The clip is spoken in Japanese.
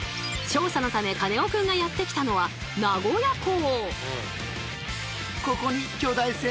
調査のためカネオくんがやって来たのは名古屋港。